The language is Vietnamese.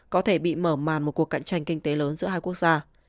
có thể bị mở màn một cuộc cạnh tranh kinh tế lớn giữa hai quốc gia